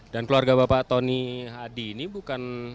dan keluarga bapak tony hadi ini bukan